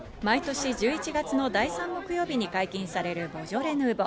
毎年１１月の第３木曜日に解禁されるボジョレ・ヌーボー。